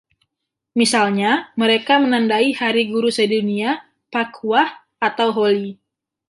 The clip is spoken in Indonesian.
Misalnya mereka menandai Hari Guru Sedunia, Phagwah, atau Holi.